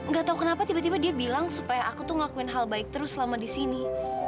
gak tau kenapa tiba tiba dia bilang supaya aku tuh ngelakuin hal baik terus selama di sini